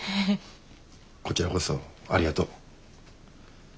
こちらこそありがとう。